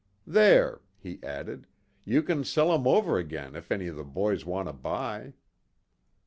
"There," he added, "you can sell 'em over again if any of the boys want to buy."